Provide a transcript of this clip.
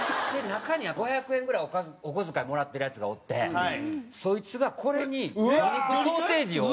中には５００円ぐらいお小遣いもらってるヤツがおってそいつがこれに魚肉ソーセージを。